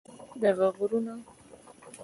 دغه غرونه